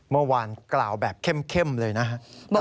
เมื่อวานกล่าวแบบเข้มเลยนะครับ